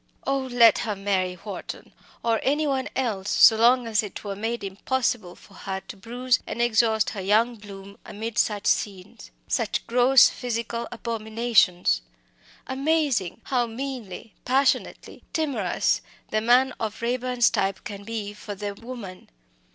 Oh! let her marry Wharton, or any one else, so long as it were made impossible for her to bruise and exhaust her young bloom amid such scenes such gross physical abominations. Amazing! how meanly, passionately timorous the man of Raeburn's type can be for the woman!